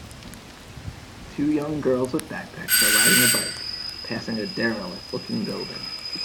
Two young girls with backpacks are riding a bike, passing a derelict looking building.